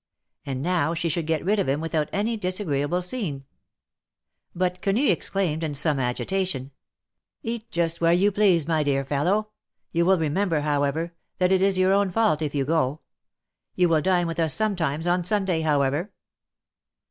And now she should get rid of him without any disagreeable scene. THE MARKETS OF PARIS. 201 But Quenii exclaimed, in some agitation : Eat just where you please, my dear fellow ! You will remember, however, that it is your own fault if you go. You will dine with us sometimes on Sunday, however?"